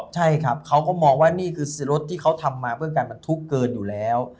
ใช่ครับเขาก็มองว่านี่คือรถที่เขาทำมาเพื่อการบรรทุกเกินอยู่แล้ว